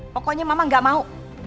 pokoknya mama gak mau